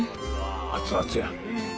熱々や。